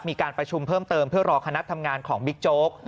มีการประชุมเพิ่มเติมเพื่อรอคณะทำงานของบิ๊กโจ๊ก